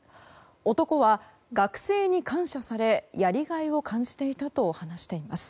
男は学生に感謝されやりがいを感じていたと話しています。